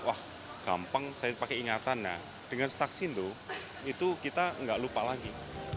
wah gampang saya pakai ingatan dengan staksindo itu kita nggak lupa lagi